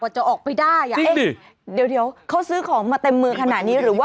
จนลืมไปเลยว่างานเขาปิดแล้ว